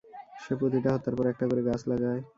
সে প্রতিটা হত্যার পর একটা করে গাছ লাগায়।